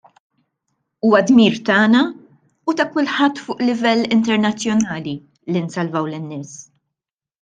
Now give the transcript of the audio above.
Huwa dmir tagħna u ta' kulħadd fuq livell internazzjonali li nsalvaw lin-nies.